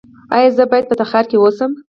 ایا زه باید په تخار کې اوسم؟